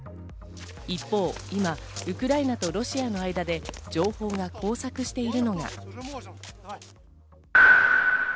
一方、今ウクライナとロシアの間で情報が交錯しているのが。